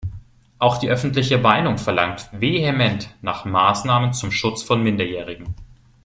Auch die öffentliche Meinung verlangt vehement nach Maßnahmen zum Schutz von Minderjährigen.